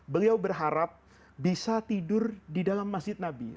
beliau berharap bisa tidur di dalam masjid nabi